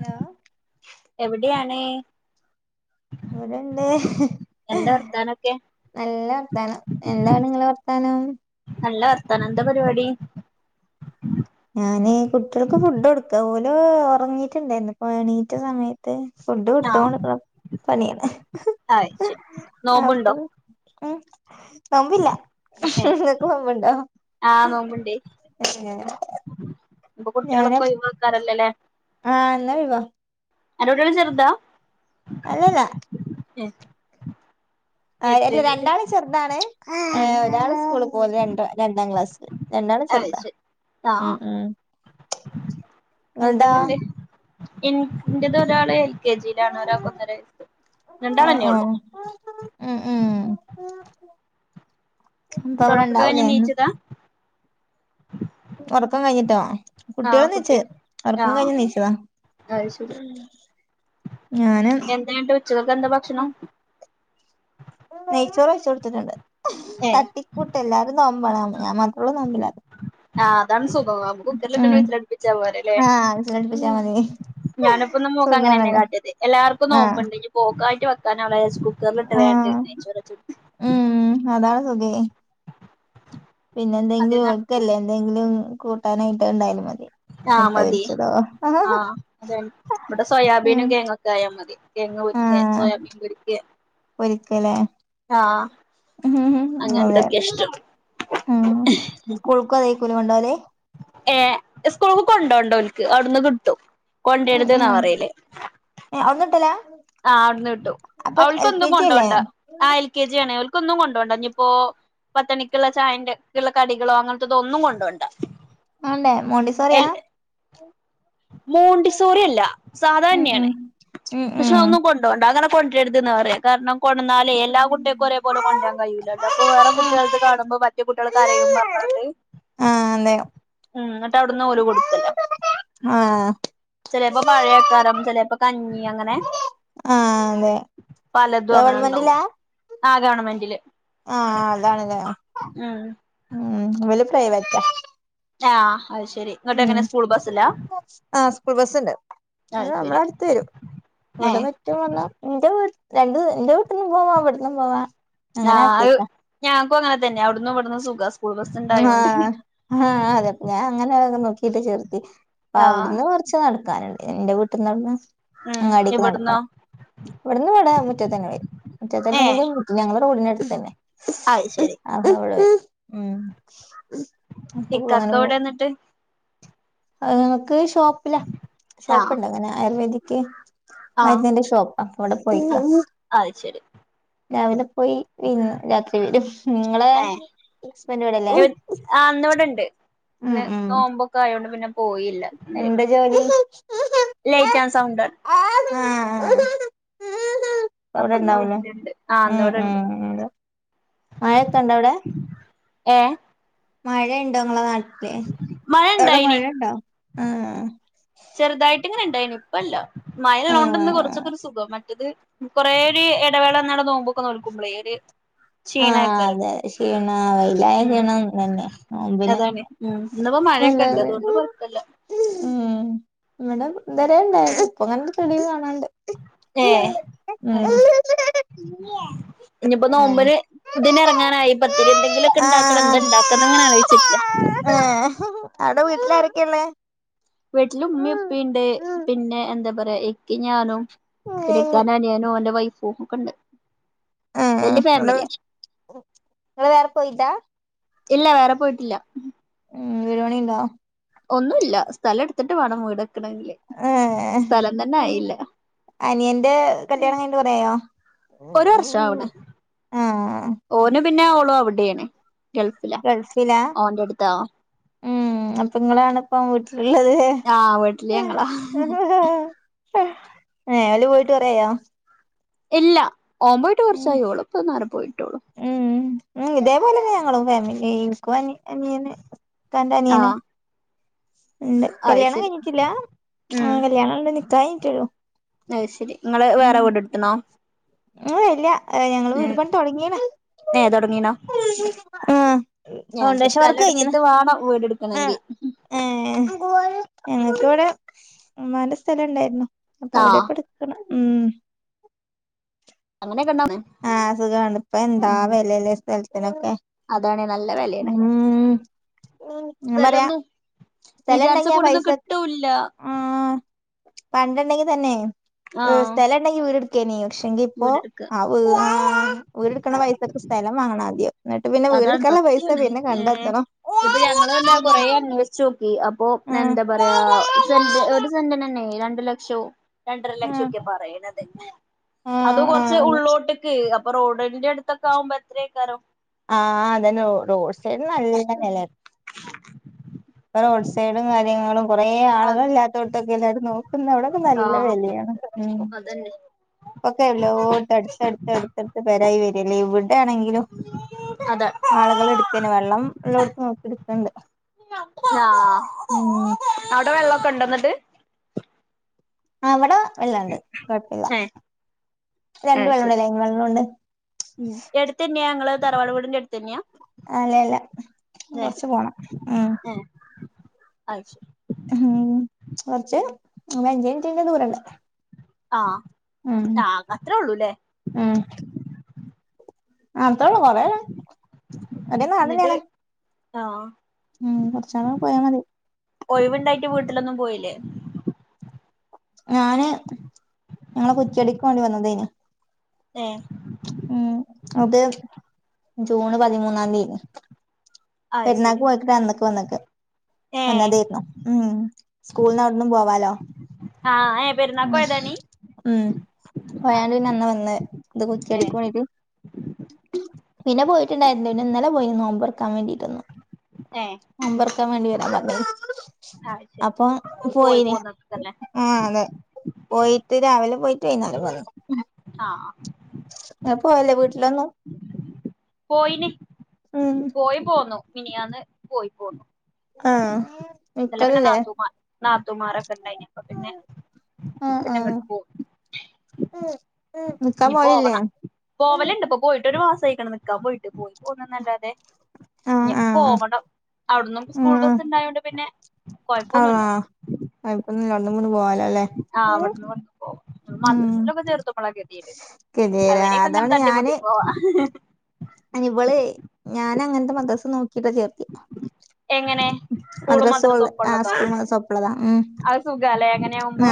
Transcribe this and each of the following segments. ഹ എവിടെയാണ് ഇവിടെണ്ട് എന്താ വർത്താനൊക്കെ നല്ല വർത്താനം എന്താണ് നിങ്ങളെ വർത്താനം നല്ല വർത്താനം എന്താ പരിപാടി ഞാൻ കുട്ടികൾക്ക് ഫുഡ് കൊടുക്ക പോലും ഉറങ്ങിട്ടുണ്ട് എന്നക്കെ വേണീറ്റ സമയത്ത് ഫുഡ് ആഹ് കൊടുത്തോണ്ട്ക്ണ പണിയണ് ആഹ് ശരി നോമ്പുണ്ടോ അപ്പം ഏ നോമ്പില്ല ഏ ഇങ്ങക്ക് നോമ്പുണ്ടോ ആഹ് നോമ്പുണ്ടേ ഏ ഇപ്പൊ കുട്ടിയോളൊക്കെ ഒയി വോക്കാറല്ലല്ലേ ആ ഇന്ന് ഓയ് വാ അൻ്റുട്ട്യേള് ചെറുതാ അല്ലല്ലാ ഏ ആ യല്ല എത്രയിലാ ഓല് രണ്ടാള് ചെറുതാണ് ഉം ഒരാള് സ്കൂള്ല് പോക രണ്ട് രണ്ടാം ക്ലാസില് രണ്ട ള് ചെറുത ഉം ഉം എന്തങ്ങട്ട് ഇങ്ങൾതോ ഇൻ ഇൻ്റതൊരാളെ കെ ജിയിലാണ് ഒരാൾക്ക് ഒന്നര വയസ് ആഹ് രാണ്ടാളന്നെയ ഉള്ളു ആഹ് ഉം ഉം ഇന്ന്പ്പ അവിടെ തൊറക്കൊക്കെ കഴിഞ്ഞ് ഇണ്ടാവുലേ ഇന്ന് നീച്ചതാ ഉറക്കം കഴിഞ്ഞിട്ടോ ആഹ് കുട്ടികളെ നീച്ച് കുട്ടികൾ ഉറക്കം ആഹ് കഴിഞ്ഞ് നീച്ചതാ ഉം എന്തായിട്ട് ഉച്ചക്കക്കെന്താ ഭക്ഷണം ഉം നെയ്ച്ചോറ് വെച്ച് കൊടുത്തിട്ടുണ്ട് ഏ തട്ടിക്കൂട്ട് എല്ലാരും നോമ്പണ് ഞാൻ മാ ള്ളൂ നോമ്പില്ലാത്ത ആ അതാണ് സുഖം ആമ്പം കുക്കർല്ലിട്ടണ്ട് വിസില് അടുപ്പിച്ചാ പോര ല്ലേ ആഹ് വിസിലടിപ്പിച്ചാ മതി ഞാനിപ്പൊന്ന് മോക്കങ്ങനന്നെ സുഖാണല്ലോ കാട്ടിയത് എല്ലാർക്കും ആഹ് നോമ്പ്ണ്ട് ഇനിപോക്കായിട്ട് വെ ക്കാനാവൂലാ രാച്ച് കുക്കറിലിട്ട് വേണ്ട് ആഹ് നെയ്റോച്ച് ഉം അതാണ് സുഖേ പിന്നെ അതേ എന്തെങ്കിലും നടക്കൂ ഓൽക്കല്ലേ എന്തെങ്കിലും കൂട്ടാനായിട്ട് ഉണ്ടായാലും മതി ആ മുട്ട മതി പൊരിച്ചതോ ആ അതാണ് ഇവടെ ഉം സോയാബീനും കേയങ്ങൊക്കെ ആയാ മതി കെയങ് പൊരിക്കേ ആഹ് സോയാബീൻ പൊരിക്കേ പൊരിക്കലേ അതെ അങ്ങനത്തൊക്കെ ഇഷ്ടം ഉം സ്ക്കൂൾക്കും അതേക്കുലേ കൊണ്ടോവല് ഏ സ്കൂൾ കൊണ്ടോണ്ട ഓൽക്ക് അവിടുന്ന് കിട്ടും ഉം കൊണ്ടരുത് ന്നാ ഉം പറയല് ഏ അവ്ട്ന്ന് കിട്ടലാ ആ അവിടുന്ന് കിട്ടും. അപ്പൊ എൽ കെ അവൾക്ക്എന്തും ജി അല്ലേ കൊണ്ടോണ്ട ആ എൽ കെ ജി ആണേ ഓൽ ക്കൊന്നും കൊണ്ടോണ്ട ഇഞിപ്പോ പത്തണിക്കുള്ള ചായന്റെ ഒക്ക ഉള്ള കടികളോ അങ്ങനത്തെതോ ഒന്നും കൊണ്ടോണ്ട മാണ്ടേ മോണ്ടിസോറിയാ എൽ മോണ്ടിസോറി അല്ല ഉം ഉം സാധാന്നെയാണ് ഉം ഉം കൊണ്ടോണ്ട അങ്ങനെ കൊണ്ടരുത് ന്ന പറിയ കാരണം കൊണ്ടന്നാലേ എല്ലാ കുട്ടികൾക്കും ഒരേപോലെ കൊണ്ടരാൻ കയ്യൂലല്ലോ ഇപ്പൊ വേറെ ആഹ് കുട്ടിയേൾത് കാണുമ്പോ മറ്റേ കുട്ടിയെൾ കരയും പറഞ്ഞാണ്ട് ആഹ് അതെ ഉം ഇന്നട്ട് അവിട്ന്ന് ഓല് കൊടുക്കലാ ആഹ് ചെലേപ്പ പഴേക്കാരം ചെലേപ്പ കഞ്ഞി അങ്ങനെ ആഹ് അതെ പലതും അങ്ങനെ ഉണ്ടാവും ഗവൺമെന്റിലാ ആ ഗവണ്മെന്റില് ആഹ് അതാണ് ലേ ഉം ഇവല് പ്രൈവറ്റാ ആഹ് അത് ശെരി ഇങ്ങോട്ട് ഉം എങ്ങനെ സ്കൂൾ ബസ്സിലാ ആ സ്കൂൾ ബസ്സുണ്ട് അത് നമ്മുടെ ശെരി അടുത്ത് വരും ഏ ഇവിടെ [unintelligible] ഇൻ്റെ വീ രണ്ട് ഇന്റെ വീട്ടിന്നും പോവാ അവിടന്നും പോവാ അങ്ങനെ ആക്കിയേക്കാ ക്കു അങ്ങൻതന്നെ അവടന്നും ഇവിടുന്നും സുഖ സ് ഹാ ഹാ അതെ ഞാൻ അങ്ങനെയൊക്കെ നോക്കിട്ട് ചേർ ത്തിയെ. അപ്പൊ ആഹ് അവിടുന്ന് കൊറച്ച് നടക്കാനുണ്ട് ഇന്റെ വീട്ടിന്ന് അവ്ടന്ന് ഉം ഇവട്ന്നോ ഇവട്ന്ന് വടെ മുറ്റത്തന്നെ വരും ഏ മുറ്റത്തന്നെങ്കിലും ഞങ്ങളെ റോഡിന ടുത്തന്നെ അത് ശെരി അതോളു ഉം അപ്പൊ ഇക്കാക്ക എവിടെ ഇന്നട്ട് ആഹ് ഷോപ്പില്ല ആഹ് ഷോപ്പുണ്ട് അങ്ങനെ ആയുർവേദിക് മരുന്നേന്റെ ഷോപ്പ് അപ്പ അവിടെ പോയിക്ക അത്ശരി രാവിലെ പോയി പിന്നെ രാത്രി വരും നിങ്ങളെ ഏഹ് ഹസ്ബൻ്റ് വടല്ലേ ആ ഇന്നിവിടെണ്ട് ഇന്ന് നോമ്പൊക്കെ ആയോണ്ട് പിന്നെ പോയില്ല ഇല് എന്താ ജോലി ലൈറ്റ് ആൻ്റ് സൗണ്ട് ആ അവിടെ അപ്പൊ ഇന്ന് ഇണ്ടാവൂലേ വീട്ടിലുണ്ട് ആ ഉം ഇന്നിവിടെണ്ട് ഉം ഉം മഴയൊക്കെണ്ടൊ അവിടെ ഏ മഴയുണ്ടോ ങ്ങളെ നാട്ടില് മഴ അവിടെ ഇണ്ടായിനി മഴയുണ്ടോ ആ ചെറുതായിട്ട് ഇങ്ങനെ ഉണ്ടായി നു ഇപ്പല്ലോ മയ ആഹ് ഉള്ളോണ്ടന്ന് കൊറച്ചൊക്കെ ഒരു സുഖം കൊറേ ഒരു ഇടവേളന്ന നോമ്പ്ക്കെ നോൽക്കുമ്പോളേ ര് ആഹ് ക്ഷീണേക്കാരം അതെ ക്ഷീണ വെയിലായ ഉം ക്ഷീണം തന്നെ നോമ്പിന് അതാണ് ഇപ്പൊ മഴയൊക്കെ ഇണ്ട് നല്ലത് അതുകൊണ്ട് കൊഴപ്പല്ല ഇവടെ ഇതരേണായിനി അപ്പൊ അങ്ങനത്തെ തെളിവ് കാണാണ്ട് ഏ അത് ശരി ഇനിയിപ്പോ ആഹ് നോമ്പന് പുതിന് ഇറങ്ങാനായി പത്തിരി എന്തെങ്കിലുമൊക്കെ ഉണ്ടാക്കണം എന്താ ഉണ്ടാക്കന്ന് അങ്ങനെ ആലോചിച്ചിക്കാ ഏ അവിടെ വീട്ടില് ആാരക്കെയള്ളേ വീട്ടില് ഉമ്മിപ്പിണ്ട് പിന്നെ എന്താ പറയാ ഇക്കയും ഞാനും പിന്നെ ഇങ്ങള് ഇക്കാൻ്റെ അനിയനും ഓന്റെ വൈഫും ഒക്കെ ഉണ്ട് ആ വല്യ നിങ്ങള് ഫാമിലിയാ നിങ്ങള് വേറെ പോയില്ലാ ഇല്ല വേറെ പോയിട്ടില്ല ഉം വിട്പണിണ്ടോ ഒന്നുല്ല സ്ഥലം എടുത്തിട്ട് വേണം വീടക്കണെങ്കില് ഏഹ് സ്ഥലം തന്നെ ആയില്ല അനിയന്റെ കല്യാണം കഴിഞ്ഞിട്ട് കൊറേയായോ ഒരു വർഷം അവിടെ ആഹ് ഓനും പിന്നെ ഓളോ അവിടെയാണ് ഗൾഫില ഗൾഫിലാ ഓന്റെ അടുത്ത് ഉം അപ്പൊ ഇങ്ങളാണ് ഇപ്പ വീട്ടിലുള്ളത് ആഹ് വീട്ടില് ഞങ്ങളാ ല് പോയിട്ട് കൊറയായോ ഇല്ല ഓ പോയിട്ട് കുർച്ചായി ഓള്പ്പന്നരെ പോയിട്ടോളൂ ഉം ഇതേപോലെന്നെ ഞങ്ങളും ഫാമിലി ഇക്കു അനിയനന്റെ അനിയനും ആഹ് ഉണ്ട് അത് കല്യാണം ശരി കഴിഞ്ഞിട്ടില്ല ആഹ് കല്യാണം ഉണ്ട് നിക്കാഹ് കഴഞ്ഞിട്ടുള്ളൂ അ ശരി നിങ്ങള് വേറെ വീടെ എടുത്തണോ ഉ വല്ല ഞങ്ങള് ഉം വിടുപണ തുടങ്ങിയന ഏ തുടങ്ങീണോ ആഹ ഞങ്ങക്ക് ഫൗണ്ടേഷൻ സ്ഥലം വർക്ക് ഇങ്ങനെ എടുത്തിട്ട് വേണം വീട് എടുക്കണെങ്കി ഞങ്ങൾക്ക് ഇവിടെ ഉമ്മാന്റെ സ്ഥലം ഉണ്ടായിരുന്നു അപ്പൊ അവിടെ ആഹ് പ എടുക്ക ഉം അങ്ങനെ കണ്ടാ ആഹ അ സുഖമാണ് ഇപ്പ എന്താ വിലല്ല സ്ഥലത്തിനൊക്കെ അതാണ് നല്ല വിലയാണ് ഉം പറയാ സ്ഥലൊന്നും വിചാരിച്ച സ്ഥലുണ്ടെങ്കി ആ പൊടിയൊന്നും പൈസക്കെ കിട്ടൂല്ല ആ പണ്ടണ്ടെങ്കി തന്നെ ആഹ് സ്ഥല ഉണ്ടെങ്കി വീട് ഇടക്കെനി നീ പക്ഷെങ്കി ഇപ്പോ വീടെടുക്ക ആവ് ര്ടുക്കണ പൈസൊക്കെ സ്ഥലം വാങ്ങണ ആദ്യം എന്നിട്ട് പിന്നെ അതാണ് വീടെടുക്കാനുള്ള പൈസ സത്യമാണ് പിന്നെ ഏർ ഇപ്പൊ ഞങ്ങളല്ല കൊറ കണ്ടെത്തണം അന്വേഷിച്ചു അപ്പൊ ഉം എന്താ പറയാ സെന്റ് ഒരു സെന്റിന തന്നെ രണ്ടു ലക്ഷം രണ്ടര ഉം ഉം ലക്ഷംൊക്കെ പറയണത് അത് കൊറച്ച് ഉള്ളോട്ടക്ക് റോഡൻന്റെ അടുത്ത ആകുമ്പോൾ എത്രക്കോ ആ അതന്നെ റോഡ് സൈഡിൻ നല്ല വെല ഇപ്പൊ റോഡ്സൈഡും കാര്യങ്ങളും കുറെ ആളുകൾ ആഹ് ഇല്ലാത്തോടത്തൊക്കെ എല്ലാരും നോക്കുന്ന അവിടക്കെ നല്ല ആഹ് വിലയാണ് ഉം അതന്നെ പക്കെല്ല് ഓട്ട് അടുത്ത്ടുത്ത് അടുത്ത്ടുത്ത് പേരായി വരും ഇല്ല ഇവിടെ ആണെങ്കിലും അതെ ആളുകൾ എടുക്കന് വെള്ളം [unintelligible] നോക്കടുക്കണ്ട് ആ അവിടെ വെള്ളോക്കെ ഇണ്ട് എന്നിട്ട് ആ ഇവിടെ വെള്ളാണ്ട് കുഴപ്പില്ല ഏഹ് രണ്ട് ഏഹ് വെള്ളുണ്ട് ശരി ലൈൻ വെള്ളോണ്ട് ഉം എടുത്തന്നെയാ ഞങ്ങള് തറവാടുവീടിന്റെടു അല്ലല്ല കുറച്ച് പോണം ഉം ആയിശേരി ഉം കുറച്ച് ഒരു അഞ്ചിന്റിന്റെ ദൂരോണ്ട് ആ ചാത്ര അത്രേയുള്ളൂല്ലേ അ അത്രേ ഉള്ളൂ കൊറേങ്ങ് ഒരേ നാട് തന്നെ ആണ് ആ പോയാ മതി ഒഴിവുണ്ടായിട്ട് വീട്ടിലൊന്നും പോയില്ലേ ഞാന് ഞങ്ങളെ കുറ്റിയടിക്കു വേണ്ടി വന്നതേനു ഏ ഉം അത് ജൂണ് പതിമൂന്നാം തീയതി അത് പെരുന്നാക്ക് ശരി പോയിക്കട്ടെ അന്നക്കെ വന്നക്കെ ഏഹ് വന്നതേയിരുന്നു ഉം സ്കൂൾന്നവിടന്നും പോവാലോ ആഹ് ഏഹ് പെരുന്നാക്ക് പോയതാണീ ഉം അത് വയാണ്ട് പിന്നെ ശരി അന്ന് വന്ന് ഇത് ഏഹ് ചെടിക്കോണിക്ക് പിന്നെ പോയിട്ടുണ്ടായിരുന്നു പിന്നെ ഇന്നലെ പോയി നോമ്പുറക്കാൻ വേണ്ടിട്ട് തെന്നു ഏഹ് നോമ്പർക്കാൻ വേണ്ടിവരാൻ അത് ശരി അപ്പൊ പോയി പോയിന് പോന്നക്കല്ലേ ആ അതെ പോയിട്ട് രാവിലെ പോയിറ്റ് വൈകുന്നേരം വന്നു ആ ആ എപ്പോരും വീട്ടിലൊന്നു പോയിന് പോയി പോന്നു മഞാന്ന് മി പോയി പോന്നു ആ ചല്ല പിന്നെ നാത്തുമാർ നാത്തുമാർൊക്കെ ഉണ്ടായിഞ്ഞ് അപ്പൊ പിന്നെ ആഹ് ആഹ് പിന്നെങ്ങോട്ട് പോ നിക്കാൻ പോവലില്ലേ ഇനിപോവന്നാ പോവലിണ്ട് ഇപ്പൊ പോയിട്ട് ഒരു മാസം ആയിക്കണ് നിക്ക പോയിട്ട് പോയി പോകനല്ലാതെ ആഹ് ഞാ ആഹ് ആഹ് പോവാണ്ട അവിടന്നും സ്കൂൾ ബസ് ഇണ്ടായോണ്ട് പിന്നെ കൊഴപ്പൊന്നുല്ല ആ ഇപ്പൊ രണ്ടുമുന്ന് പോവാല ആ അവിടുന്ന് വന്ന് പോകും ഉം മദ്രസിലൊക്കെ ചേർത്തുഎപ്പളാ ഗതിട് ഗതികേടാ അവരെയൊക്കെ എങ്ങനെ തട്ടിമുട്ടി പോവാ അയിനിവള് ഞാൻ അങ്ങനത്തെ മദസ്സ് നോക്കിട്ടാ ചേർത്ത് എങ്ങനെ സ്കൂളും മദ്ര സോള മദ്രസും ഒപ്പള്ളതോ ആസ്ം അ സോപ്പിലതാ ഉം അത് സുഖാല്ലേ [unintelligible] [inaudible] അങ്ങനെയാവുമ്പോ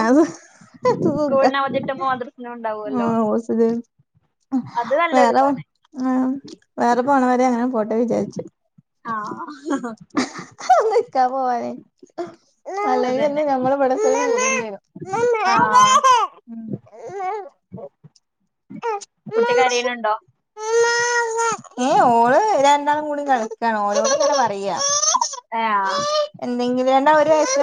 സ്കൂളിന് അവധിട്ടുമ്പോ മദ്രസിനും ഉണ്ടാവുവല്ലോ അത് നല്ലൊരു വേറെ ഇതാണ് വേ വേറെ പോണവരെ അങ്ങനെ പോട്ടെ വിചാരിച്ചു ആ ഇക്കാ പോയൊ? അല്ലന്ന് അതന്നെ ഞങ്ങള് ഇടെ ആഹ് ഉം കുട്ടിക്കരെണുണ്ടോ? ഏ ഓള് രണ്ടാളും കൂടി കളിക്കാണ് ഓള് [unintelligible] പറയാ ആ എന്തെങ്കിലും തന്നെ ഒരു വയസ്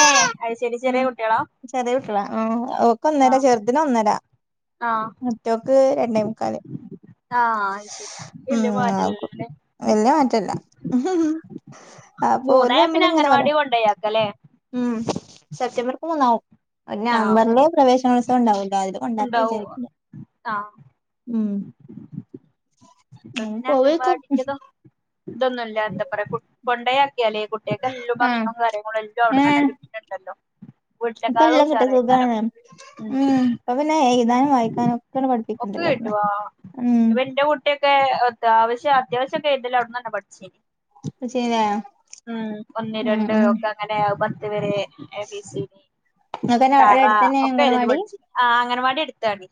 ഏഹ് അത് ശെരി ചെറിയ ഉം കുട്ടികളാ ശരി ഹലോ [unintelligible] ഓക്ക് ഒന്നര ആഹ് ചെറുതിന് ഒന്നേര ആഹ് മുറ്റോക്ക് രണ്ടേ മുക്കാല് ആഹ അത് ശരി ഇല് പാട്ടല്ല അ പോല് മൂന്നായ തമ്മിൽ പിന്നെ ഇങ്ങനെ പറയാ അംഗൻവാടി കൊണ്ടോയാക്കല്ലേ ഉം സെപ്റ്റംബർക്ക് മൂന്നാവും ആഹ് നവംബറിലെ പ്രവേശനോത്സവം ഉണ്ടാവാല് അതില് കൊണ്ടാക്ക ഉണ്ടാവും വിചാരിക്കില്ല ആഹ് ഉ ഉ പോവേക്കും ഇതൊന്നുമല്ല എന്താ പറയാ കൊണ്ടയാ ലെ കുട്ടികൾെല്ലാം ആഹ് ഭക്ഷണവും കാര്യങ്ങളും എല്ലാം അവിടെ നല്ല കിട്ടിട്ടുണ്ടല്ലോ ഇപ്പൊ എല്ലാം കിട്ട സുഖാണ് ഉം ഉ അപ്പൊ പിന്നെ യുതാനും വായിക്കാനും ഒക്കെ ഒക്കെ പഠിപ്പിക്കണ്ടല്ലോടന്ന് ആശ്യം അത്യാവശ്യം ഒക്കെ ഏയ്തൽ അവിടുന്നന്നെ പഠിച്ചേനി [unintelligible] ഉം ഒന്ന് ഉം രണ്ട് ഉം ഒക്കെ അങ്ങനെ പത്ത് വെരെ എ ബി സി ഡി ഇങ്ങക്കന്നെ അവടെ തറ അടുത്തന്നെ ഒക്കെ ഏതല് അംഗനവാടി പടിച്ചിരി ആ അങ്ങനെവാടി അടുത്താണി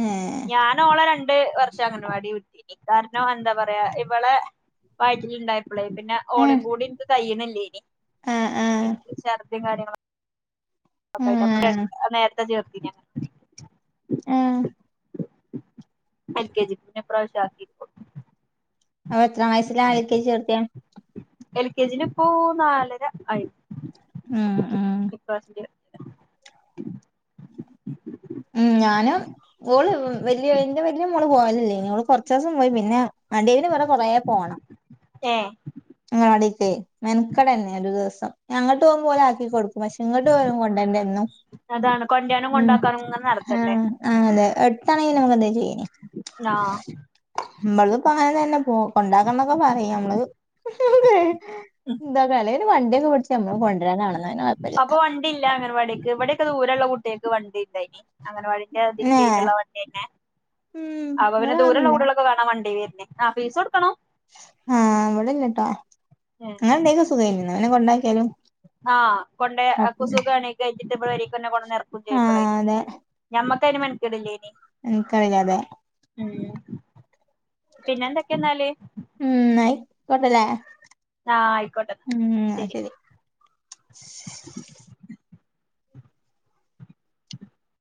ഏഹ് ഞാന ഓള രണ്ട് വർഷ അംഗൻവാടി വിട്ടിനി കാരണം എന്താ പറയാ ഇവളെ വയറ്റണ്ടായി പിന്നെ ഉം ഓളും കൂടി എനി കയ്യുന്നില്ലേ ആഹ് ആഹ് ഇനിക്ക് ശർദി കാര്യങ്ങളൊ ക്കട്ട് ആഹ് അപ്പ നേരത്തെ ചേർത്തി ആഹ എൽ കെ ജിപെ പ്രാവശ്യ അപ്പൊ എത്ര വയസ്സില ആദിക്ക ചേർത്തിയ? എൽ കെ ജി ഇപ്പോ നാലര ആയി [inaudible] ഉം ഉം ഉം ഞാനും ഓള് വല്യ എന്റെ വല്യ മോള് പോയാലല്ലേ ഓള് കുറച്ച ദിവസം പോയി പിന്നെ വണ്ടിൽ വടാ കൊറ പോണം ഏ ഞങ്ങ അടക്കെ മെനക്കട തന്നെ ഒരു ദിവസം ഞങ്ങോട്ട് പോക്മ്പോ ഓല ആക്കിടുക്കും പക്ഷെ ഇങ്ങോട്ട് പോലും കൊണ്ടണ്ട എന്നും അതാണ് കൊണ്ടരാനും ഉം കൊണ്ടാക്കാനും ഇങ്ങനെ ആ നടക്കണ്ടേ ആ അതെ അടുത്താണെങ്കി നമക്ക് എന്താ ചെയ്യണ ആഹ് നമ്മളത് പ അങ്ങനെ തന്നെ പോ കൊണ്ടാക്കണംക്കെ പറയും നമ്മള്ത് എന്താ തലേ വണ്ടേ കവി അപ്പൊ വണ്ടില്ല അങ്ങനവാടിക്ക് ഇവിടെക്കെ ദൂരള്ള കുട്ടികൾക്ക് വണ്ടി ഇണ്ടേനി അങ്ങനെവടിന്റെ ഇതിൽ ഏ കീഴുള്ള വണ്ടി തന്നെ ഉം അവ അവെ ഇവിടെ ദൂരുള്ള അതൊന്നുമില്ല കൂട്ടിലൊക്കെ കൊണ്ടോ വണ്ടി വ ആ പൈസ കൊടുക്കണം. ആഹ അവിടെല്ലട്ടോ അങ്ങനെ ണ്ടങ്കി സുഖേനു അങ്ങനെ ണ്ടാക്കിയാലും ആഹ കൊ കു സുഖണി കൈഞ്ഞിട്ട് പേരെക്കെന്നെ ഏറക്കുത്യയ്ക്കളെ ആഹ് ഞമ്മക്കതിന് മെണിക്കിടില്ലേ ഇനി ഉ കഴിയാതെ ഉം പിന്നെ എന്തൊക്കെയ എന്നാല് വെക്കല്ലേ ആ ആയിക്കോട്ടെന്നാ ശരി ശ്